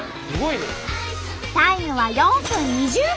タイムは４分２０秒！